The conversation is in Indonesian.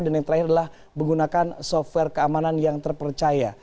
dan yang terakhir adalah menggunakan software keamanan yang terpercaya